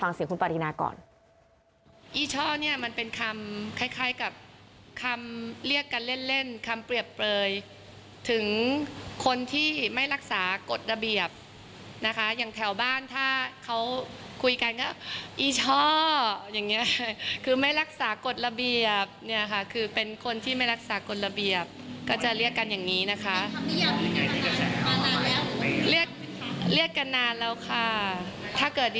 เดี๋ยวคุณผู้ชมลองไปฟังเสียงคุณปารินาก่อน